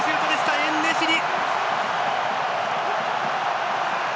エンネシリ！